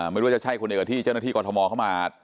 ไม่รู้ว่าจะใช่คนเดียวกับที่เจ้าหน้าที่กรทมเข้ามา